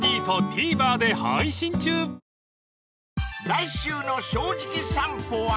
［来週の『正直さんぽ』は］